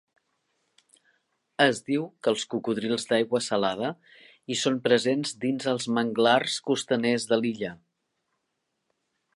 Es diu que els cocodrils d'aigua salada hi són presents dins els manglars costaners de l'illa.